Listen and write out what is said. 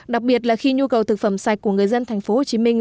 đặc biệt là khi nhu cầu thực phẩm sạch của người dân thành phố hồ chí minh